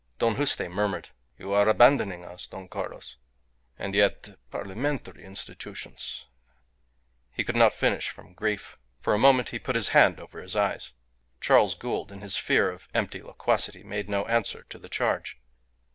Don Juste murmured "You are abandoning us, Don Carlos. ... And yet, parliamentary institutions " He could not finish from grief. For a moment he put his hand over his eyes. Charles Gould, in his fear of empty loquacity, made no answer to the charge.